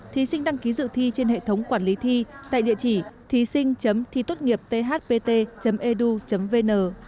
thí sinh đăng ký dự thi trên hệ thống quản lý thi tại địa chỉ thí sinh thitốtnghiệpthpt edu vn